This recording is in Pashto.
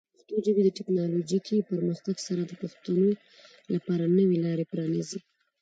د پښتو ژبې د ټیکنالوجیکي پرمختګ سره، د پښتنو لپاره نوې لارې پرانیزي.